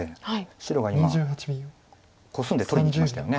白が今コスんで取りにいきましたよね。